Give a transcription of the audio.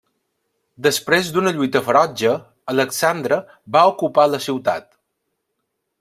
Després d'una lluita ferotge, Alexandre va o ocupar la ciutat.